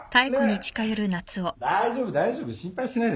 大丈夫大丈夫心配しないで。